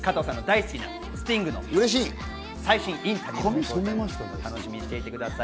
加藤さんの大好きなスティングの最新インタビューも楽しみにしていてください。